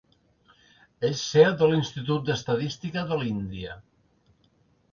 És seu de l'Institut d'Estadística de l'Índia.